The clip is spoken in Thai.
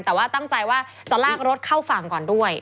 แต่ว่าตั้งใจว่าจะลากรถเข้าฝั่งก่อนด้วย